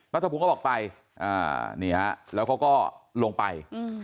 นันทพงศ์ก็บอกไปแล้วเขาก็ลงไป